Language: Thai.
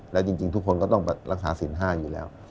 และจริงทุกคนก็ต้องรักษาสินห้าอยู่แล้ว